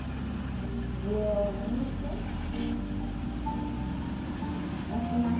上を向いて戻します。